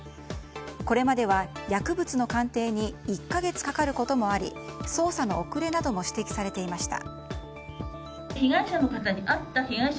これまでは薬物の鑑定に１か月かかることもあり捜査の遅れなども指摘されていました。